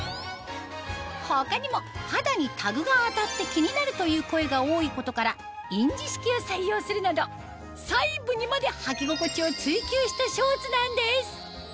他にも肌にタグが当たって気になるという声が多いことから印字式を採用するなど細部にまではき心地を追求したショーツなんです